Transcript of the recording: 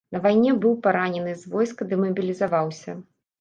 На вайне быў паранены, з войска дэмабілізаваўся.